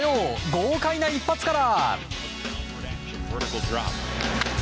豪快な一発から！